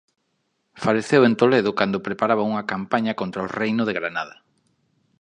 Faleceu en Toledo cando preparaba unha campaña contra o reino de Granada.